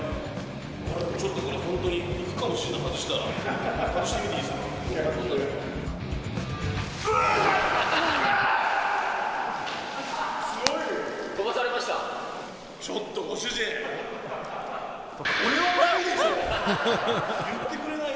ちょっとこれ、本当に、手外したら飛ぶかもしれない。